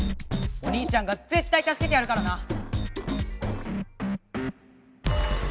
お兄ちゃんがぜったいたすけてやるからな！